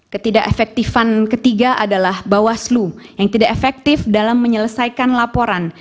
ketidak efektifan ketiga adalah bawaslu yang tidak efektif dalam menyelesaikan laporan